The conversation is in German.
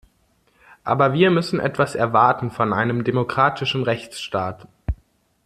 Aber wir müssen etwas erwarten von einem demokratischen Rechtsstaat.